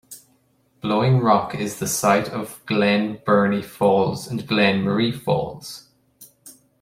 Blowing Rock is the site of Glen Burney Falls and Glen Marie Falls.